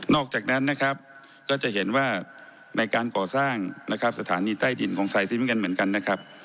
อกจากนั้นนะครับก็จะเห็นว่าในการก่อสร้างนะครับสถานีใต้ดินของไซซีเหมือนกันนะครับ